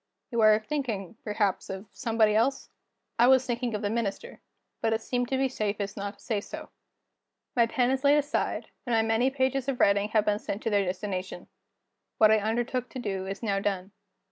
"You are thinking, perhaps, of somebody else?" I was thinking of the Minister; but it seemed to be safest not to say so. My pen is laid aside, and my many pages of writing have been sent to their destination. What I undertook to do, is now done.